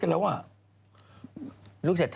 แบ่งคนละห้าสิบตังค์